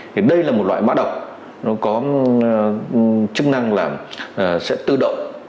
thì đây là một loại mã độc nó có chức năng là sẽ tự động